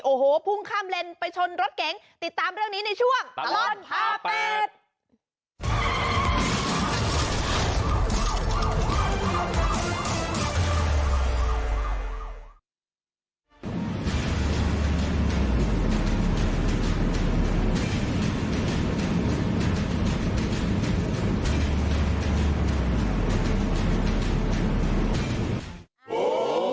โอ้โหพุ่งข้ามเลนไปชนรถเก๋งติดตามเรื่องนี้ในช่วงตลอดพาเป็ด